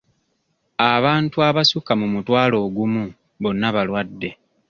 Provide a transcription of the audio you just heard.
Abantu abasukka mu mutwalo ogumu bonna balwadde.